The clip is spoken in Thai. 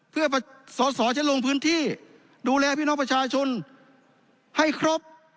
เพื่อสอสอจะลงพื้นที่ดูแลพี่น้องประชาชนให้ครบ